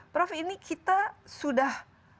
prof ini kita sudah